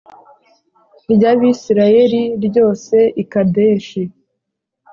ry Abisirayeli ryose i Kadeshi